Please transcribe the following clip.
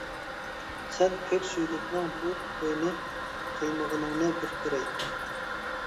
-سەن كۆك سۈيدۈكنىڭ بۇ توينى قىلمىغىنىڭنى بىر كۆرەي.